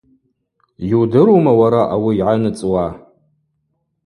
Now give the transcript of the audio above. Йудырума, уара, ауи йгӏаныцӏуа?